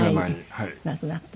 亡くなった。